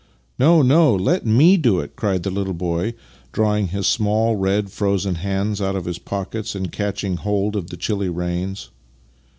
" No, no, let me do it," cried the little boy, drawing his small, red, frozen hands out of his pockets and catching hold of the chilly reins.